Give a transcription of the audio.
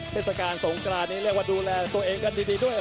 เทศกาลสงกรานนี้เรียกว่าดูแลตัวเองกันดีด้วย